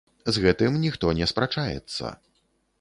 З гэтым ніхто не спрачаецца.